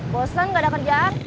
bosan enggak ada kerjaan